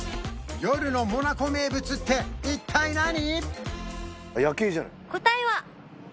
夜のモナコ名物って一体何？